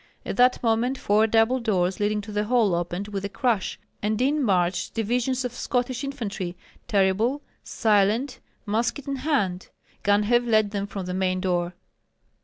At that moment four double doors leading to the hall opened with a crash, and in marched divisions of Scottish infantry, terrible, silent, musket in hand. Ganhoff led them from the main door.